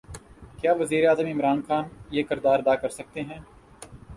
کیا وزیر اعظم عمران خان یہ کردار ادا کر سکتے ہیں؟